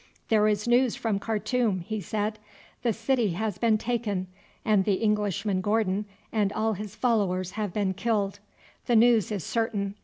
"There is news from Khartoum," he said. "The city has been taken, and the Englishman Gordon and all his followers have been killed. The news is certain.